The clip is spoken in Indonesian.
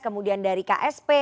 kemudian dari ksp